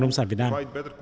nông sản việt nam